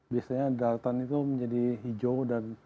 biasanya daratan itu menjadi hijau dan